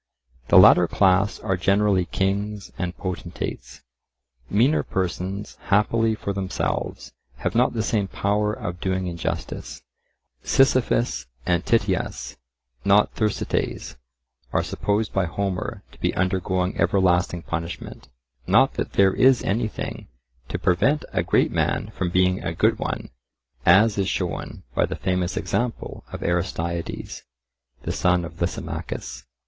The latter class are generally kings and potentates; meaner persons, happily for themselves, have not the same power of doing injustice. Sisyphus and Tityus, not Thersites, are supposed by Homer to be undergoing everlasting punishment. Not that there is anything to prevent a great man from being a good one, as is shown by the famous example of Aristeides, the son of Lysimachus.